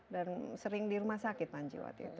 sering di rumah sakit panji waktu itu